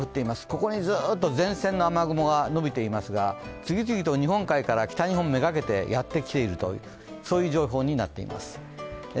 ここにずーっと前線の雨雲がのびていますが、次々と日本海から北日本目がけてやってきているというそういう情報になっています。